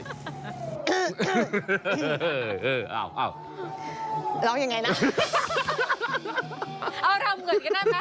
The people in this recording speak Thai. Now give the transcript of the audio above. ร้องยังไงนะ